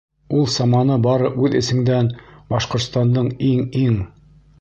Ул саманы бары үҙ эсеңдән Башҡортостандың иң-иң